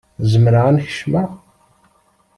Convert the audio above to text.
Zemreɣ ad n-kecmeɣ?